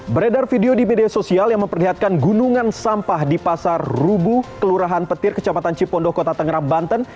beredar video di media sosial yang memperlihatkan gunungan sampah di pasar rubu kelurahan petir kecamatan cipondo kota tangerang banten